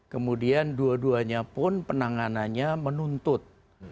kemudian dua duanya pun penanganannya menuntut